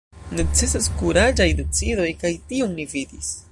Necesas kuraĝaj decidoj, kaj tion ni vidis.